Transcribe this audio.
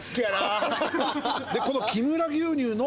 この木村牛乳の。